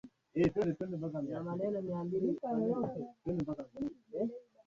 kwa kila idadi ya wachezaji ilhali fimbo au mawe mawili hudokeza goli